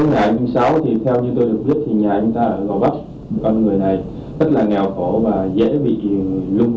giờ anh giao cho tôi năm nhiệm vụ